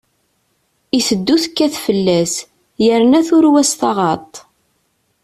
Iteddu tekkat fell-as, yerna turew-as taɣaṭ.